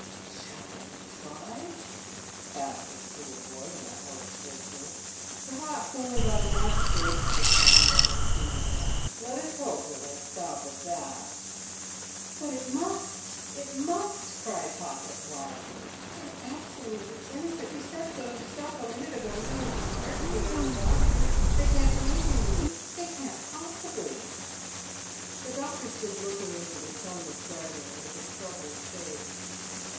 "Shall I be tried?" asked the schoolboy in a hoarse whisper. "Perhaps only by the magistrate," replied the other, soothingly; "let us hope it will stop at that." "But it must, it must!" cried Pocket wildly. "I'm absolutely innocent! You said so yourself a minute ago; you've only to swear it as a doctor? They can't do anything to me—they can't possibly!" The doctor stood looking into the sunless garden with a troubled face.